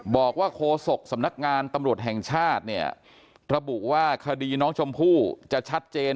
โคศกสำนักงานตำรวจแห่งชาติเนี่ยระบุว่าคดีน้องชมพู่จะชัดเจน